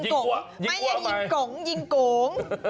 ไม่ใช่ยิงโก๋งยิงโก๋ง